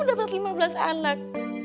dapat lima belas anak